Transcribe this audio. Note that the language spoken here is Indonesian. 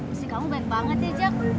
istri kamu baik banget ya jack